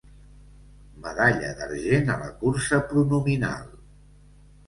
Medalla d'argent a la cursa pronominal.